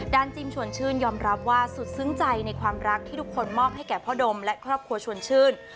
จิมชวนชื่นยอมรับว่าสุดซึ้งใจในความรักที่ทุกคนมอบให้แก่พ่อดมและครอบครัวชวนชื่น